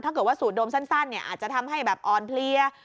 ถ้าเกิดว่าสูตรโดมสั้นอาจจะทำให้อ่อนเพลีย